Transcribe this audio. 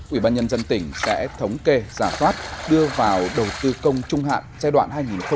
ủy ban nhân dân tỉnh sẽ thống kê giả thoát đưa vào đầu tư công trung hạn giai đoạn hai nghìn hai mươi một hai nghìn hai mươi năm